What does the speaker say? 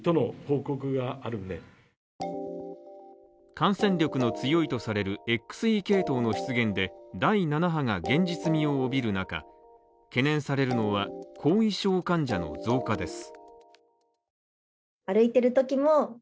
感染力の強いとされるＸＥ系統の出現で第７波が現実味を帯びる中、懸念されるのは後遺症患者の増加です。